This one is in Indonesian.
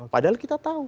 padahal kita tahu